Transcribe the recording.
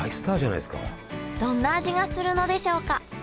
どんな味がするのでしょうか？